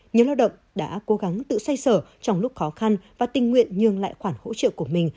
nhiều lao động đã cố gắng tự say sở trong lúc khó khăn và tình nguyện nhường lại khoản hỗ trợ của mình